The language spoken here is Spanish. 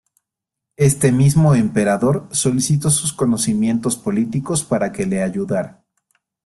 Este mismo emperador solicitó sus conocimientos políticos para que le ayudara.